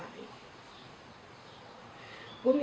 แล้วบอกว่าไม่รู้นะ